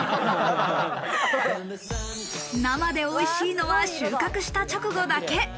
生でおいしいのは収穫した直後だけ。